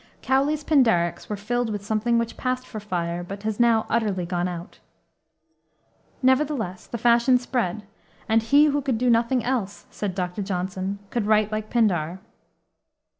Cowley's Pindarics were filled with something which passed for fire, but has now utterly gone out. Nevertheless, the fashion spread, and "he who could do nothing else," said Dr. Johnson, "could write like Pindar."